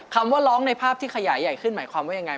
คำว่าร้องในภาพที่ขยายใหญ่ขึ้นหมายความว่ายังไง